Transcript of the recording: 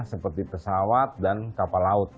seperti pesawat dan kapal laut